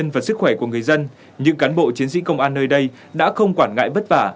với khỏe của người dân những cán bộ chiến sĩ công an nơi đây đã không quản ngại bất vả